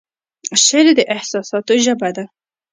شعر د احساساتو ژبه ده